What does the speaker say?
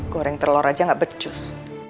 goreng telur aja gak becus